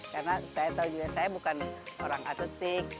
karena saya tahu juga saya bukan orang atletik